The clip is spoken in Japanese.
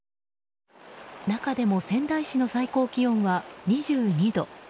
中でも仙台市の最高気温は２２度。